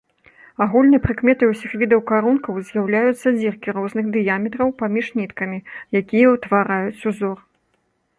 Агульнай прыкметай усіх відаў карункаў з'яўляюцца дзіркі розных дыяметраў паміж ніткамі, якія ўтвараюць ўзор.